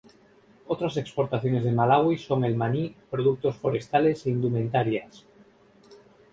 Otras exportaciones de Malaui son el maní, productos forestales e indumentarias.